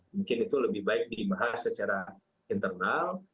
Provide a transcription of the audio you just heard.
mungkin itu lebih baik dibahas secara internal